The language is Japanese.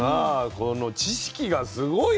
この知識がすごいね。